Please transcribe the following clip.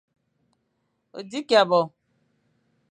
O dighé bo.